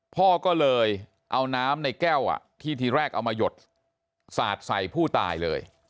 พ่อก็เลยเอาน้ำในแก้วที่ทีแรกเอามาหยดสาดใส่ผู้ตายเลย